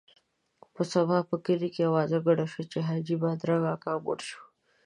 په سبا په کلي کې اوازه ګډه شوه چې حاجي بادرنګ اکا مړ شو.